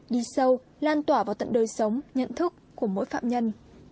đi sâu lan tỏa vào tận đời sống nhận thức của mỗi phạm nhân